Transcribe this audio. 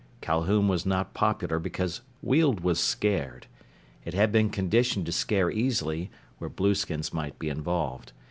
Calhoun was not popular because Weald was scared. It had been conditioned to scare easily, where blueskins might be involved.